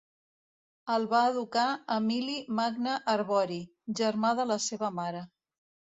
El va educar Emili Magne Arbori, germà de la seva mare.